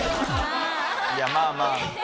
いやまあまあ。